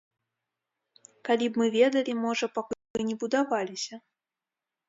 Калі б мы ведалі, можа, пакуль бы не будаваліся.